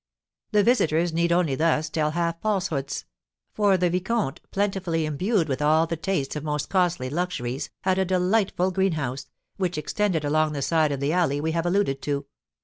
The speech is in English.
The visitors need only thus tell half falsehoods; for the vicomte, plentifully imbued with all the tastes of most costly luxuries, had a delightful greenhouse, which extended along the side of the alley we have alluded to.